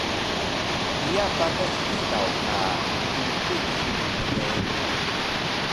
Piya patas hidaw ka mtutuy su mgrbu?